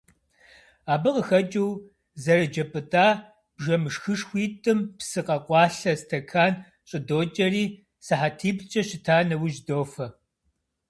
Абы къыхэкӏыу, зэрыджэ пӏытӏа бжэмышхышхуитӏым псы къэкъуалъэ стэкан щӏыдокӏэри, сыхьэтиплӏкӏэ щыта нэужь, дофэ.